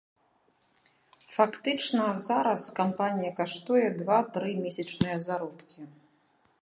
Фактычна, зараз кампанія каштуе два-тры месячныя заробкі.